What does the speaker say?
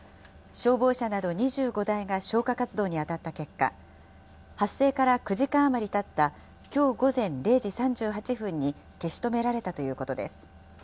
消防車など２５台が消火活動に当たった結果、発生から９時間余りたった、きょう午前０時３８分に消し止められたということです。